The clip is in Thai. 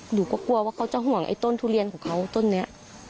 หนูก็กลัวว่าเขาจะห่วงไอ้ต้นทุเรียนของเขาต้นนี้